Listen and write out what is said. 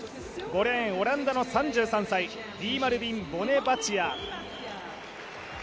５レーン、オランダの３３歳リーマルビン・ボネバチア。